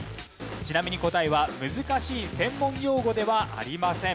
ちなみに答えは難しい専門用語ではありません。